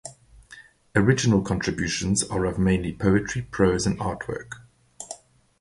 Original contributions are of mainly poetry, prose and artwork.